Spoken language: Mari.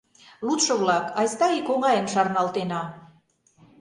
Лудшо-влак, айста ик оҥайым шарналтена.